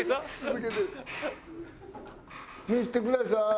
見せてください。